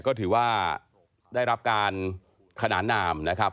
ก็ถือว่าได้รับการขนานนามนะครับ